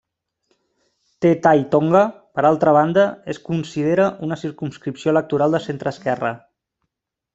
Te Tai Tonga, per altra banda, es considera una circumscripció electoral de centreesquerra.